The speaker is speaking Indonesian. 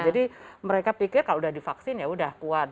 jadi mereka pikir kalau sudah divaksin ya udah kuat